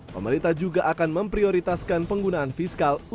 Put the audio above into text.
pemerintah juga akan memprioritaskan penggunaan fiskal untuk kesehatan